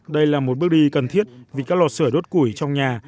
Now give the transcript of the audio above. đây là một bước đi cần thiết vì các lò sửa đốt củi trong nhà